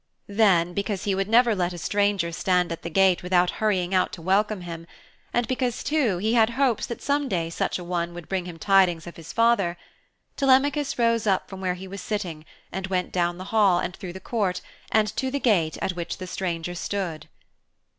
Then, because he would never let a stranger stand at the gate without hurrying out to welcome him, and because, too, he had hopes that some day such a one would bring him tidings of his father, Telemachus rose up from where he was sitting and went down the hall and through the court and to the gate at which the stranger stood.